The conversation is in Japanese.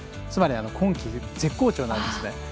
つまり今季、絶好調なんですね。